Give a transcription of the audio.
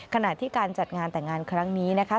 ขณะที่การจัดงานแต่งงานครั้งนี้นะคะ